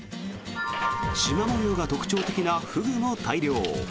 しま模様が特徴的なフグも大量。